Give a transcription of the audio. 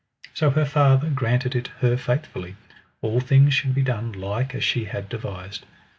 So her father granted it her faithfully, all things should be done like as she had devised.